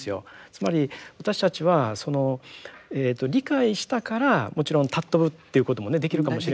つまり私たちは理解したからもちろん尊ぶっていうこともねできるかもしれませんけども。